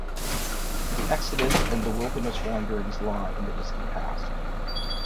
The Exodus and the wilderness wanderings lie in the distant past.